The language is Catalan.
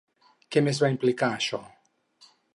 Què més va implicar això?